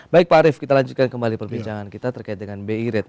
baik pak arief kita lanjutkan kembali perbincangan kita terkait dengan bi rate